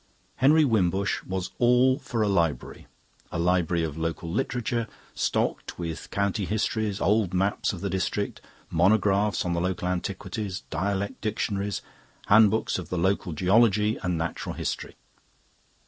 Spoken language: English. Henry Wimbush was all for a library a library of local literature, stocked with county histories, old maps of the district, monographs on the local antiquities, dialect dictionaries, handbooks of the local geology and natural history.